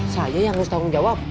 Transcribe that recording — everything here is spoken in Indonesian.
saya yang harus tanggung jawab